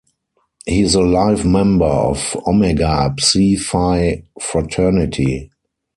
He is a life member of Omega Psi Phi fraternity.